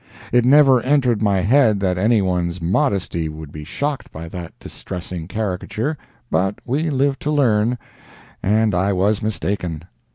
It never entered my head that any one's modesty would be shocked by that distressing caricature, but we live to learn, and I was mistaken.